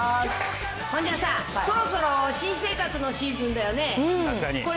ほんじゃ、さあ、そろそろ新生活のシーズンだよね？